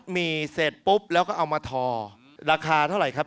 นี่แพงไหมครับ